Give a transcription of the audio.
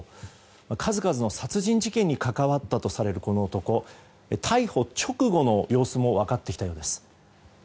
数々の殺人事件に関わったとされるこの男逮捕直後の様子も分かってきたようです。